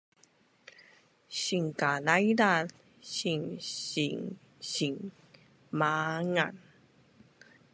sinkadaidaz, siin sinsimangan